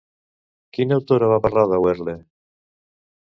Quina autora va parlar de Wehrle?